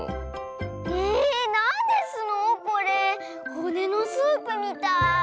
ほねのスープみたい。